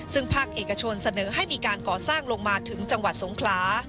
ซึ่งภาคเอกชนเสนอให้มีการก่อสร้างลงมาถึงจังหวัดสงขลา